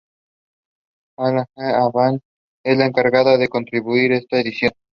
Alejandra Abad es la encargada de conducir esta edición.